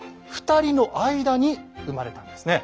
２人の間に産まれたんですね。